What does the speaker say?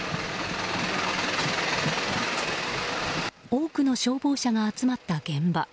多くの消防車が集まった現場。